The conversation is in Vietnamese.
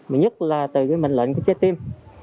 mà nhất là từ bệnh lệnh trái tim